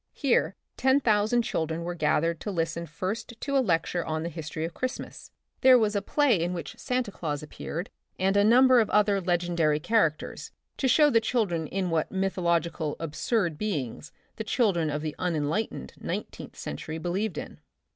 Here ten thousand children were gathered to listen first to a lecture on the history of Christmas. There was a play in The Republic of the Future, 79 which Santa Claus appeared and a number of other legendary characters, to show the chil dren in what mythological, absurd beings the children of the unenlightened nineteenth cen tury believed in.